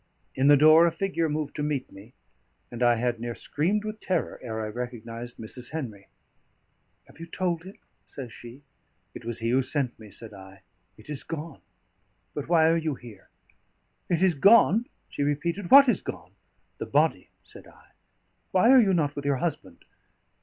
In the door a figure moved to meet me, and I had near screamed with terror ere I recognised Mrs. Henry. "Have you told him?" says she. "It was he who sent me," said I. "It is gone. But why are you here?" "It is gone!" she repeated. "What is gone?" "The body," said I. "Why are you not with your husband?"